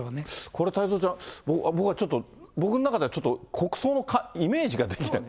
これは太蔵ちゃん、僕はちょっと、僕の中ではちょっと国葬のイメージができない。